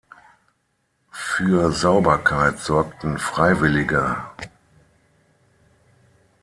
Für Sauberkeit sorgten Freiwillige.